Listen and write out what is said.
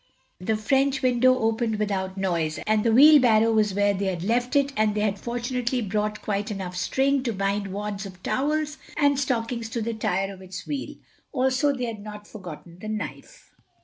The French window opened without noise, the wheelbarrow was where they had left it, and they had fortunately brought quite enough string to bind wads of towels and stockings to the tire of its wheel. Also they had not forgotten the knife.